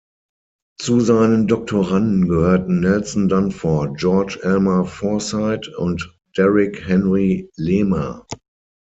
Zu seinen Doktoranden gehörten Nelson Dunford, George Elmer Forsythe und Derrick Henry Lehmer.